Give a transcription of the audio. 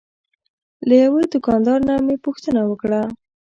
له یوه دوکاندار نه مې پوښتنه وکړه.